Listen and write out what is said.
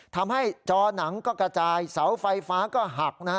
ทำให้จอหนังก็กระจายเสาไฟฟ้าก็หักนะฮะ